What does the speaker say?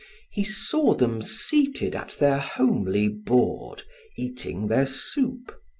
He saw them seated at their homely board, eating their soup.